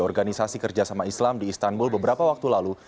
organisasi kerjasama islam di istanbul beberapa waktu lalu